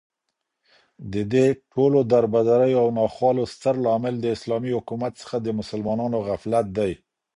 ددې ټولو دربدريو او ناخوالو ستر لامل داسلامې حكومت څخه دمسلمانانو غفلت دى